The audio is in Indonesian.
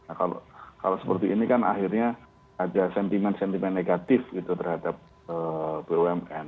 nah kalau seperti ini kan akhirnya ada sentimen sentimen negatif gitu terhadap bumn